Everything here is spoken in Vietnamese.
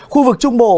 khu vực trung bộ